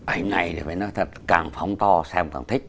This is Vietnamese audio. hình này thì phải nói thật càng phóng to xem càng thích